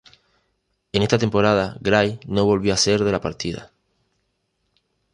En esta temporada Gray no volvió a ser de la partida.